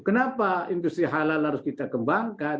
kenapa industri halal harus kita kembangkan